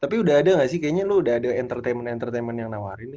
tapi udah ada gak sih kayaknya lo udah ada entertainment entertainment yang nawarin nih